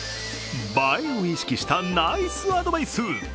映えを意識したナイスアドバイス。